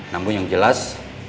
namun yang jelas